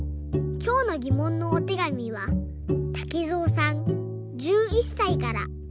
きょうのぎもんのおてがみはたけぞうさん１１さいから。